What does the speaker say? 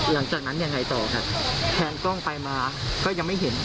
หลังจากนั้นยังไงต่อครับแทนกล้องไปมาก็ยังไม่เห็น